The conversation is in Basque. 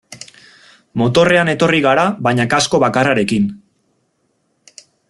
Motorrean etorri gara baina kasko bakarrarekin.